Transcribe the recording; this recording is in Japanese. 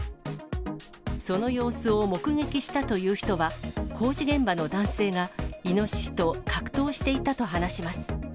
その様子を目撃したという人は、工事現場の男性がイノシシと格闘していたと話します。